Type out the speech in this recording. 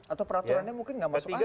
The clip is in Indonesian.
atau peraturannya mungkin nggak masuk akal